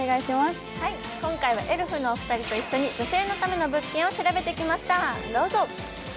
今回はエルフのお二人と一緒に女性のための物件を調べてきました、どうぞ。